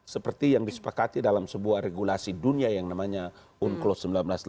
seperti yang disepakati dalam sebuah regulasi dunia yang namanya unclos seribu sembilan ratus delapan puluh